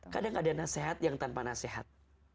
kadang ada nasehat yang tanpa nasehat